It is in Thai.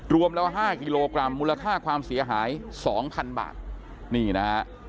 รวมแล้ว๕กิโลกรัมมูลค่าความเสียหายสองพันบาทนี่นะฮะ